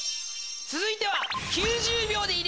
続いては。